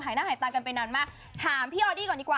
หน้าหายตากันไปนานมากถามพี่ออดี้ก่อนดีกว่า